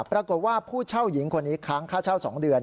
ปรากฏว่าผู้เช่าหญิงคนนี้ค้างค่าเช่า๒เดือน